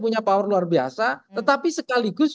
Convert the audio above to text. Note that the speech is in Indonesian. punya power luar biasa tetapi sekaligus